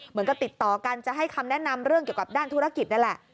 เหมือนกับติดต่อกันจะให้คำแนะนำเรื่องเกี่ยวกับด้านธุรกิจนั่นแหละ